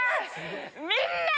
みんな‼